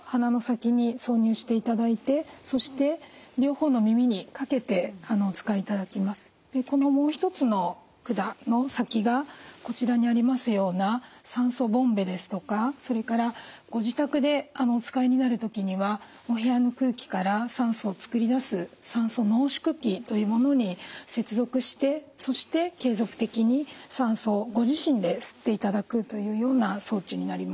この先端が２つの突起がついておりますのでこのもう一つの管の先がこちらにありますような酸素ボンベですとかそれからご自宅でお使いになる時にはお部屋の空気から酸素を作り出す酸素濃縮器というものに接続してそして継続的に酸素をご自身で吸っていただくというような装置になります。